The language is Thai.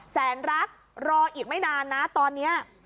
แสนรักรออีกไม่นานนะตอนนี้